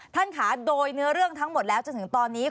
ท่านค่ะโดยเนื้อเรื่องทั้งหมดแล้วจนถึงตอนนี้